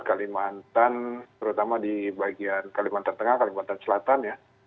kalimantan terutama di bagian kalimantan tengah kalimantan selatan ya